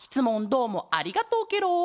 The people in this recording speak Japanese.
どうもありがとうケロ。